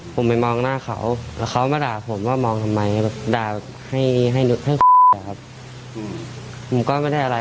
ผมไปมองหน้าเขาเขามาด่าผมว่ามองทำไมด่าให้